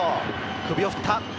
首を振った。